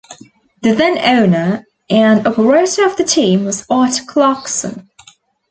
The then owner and operator of the team was Art Clarkson.